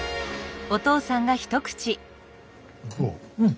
うん！